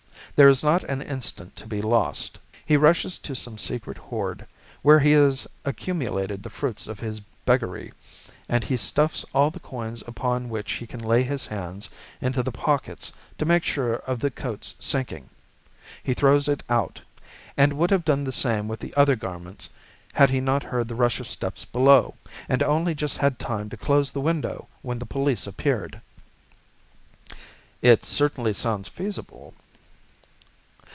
There is not an instant to be lost. He rushes to some secret hoard, where he has accumulated the fruits of his beggary, and he stuffs all the coins upon which he can lay his hands into the pockets to make sure of the coat's sinking. He throws it out, and would have done the same with the other garments had not he heard the rush of steps below, and only just had time to close the window when the police appeared." "It certainly sounds feasible."